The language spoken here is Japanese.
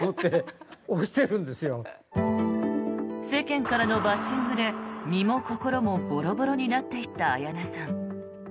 世間からのバッシングで身も心もボロボロになっていった綾菜さん。